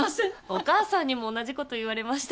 お母さんにも同じこと言われました。